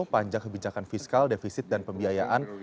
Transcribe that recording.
panjang kebijakan fiskal defisit dan pembiayaan